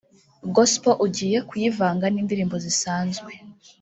Gospel ugiye kuyivanga n’indirimbo zisanzwe